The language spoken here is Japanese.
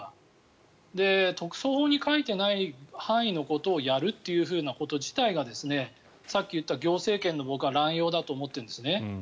特措法に書いてない範囲のことをやるということ自体がさっき言った、行政権の乱用だと僕は思ってるんですね。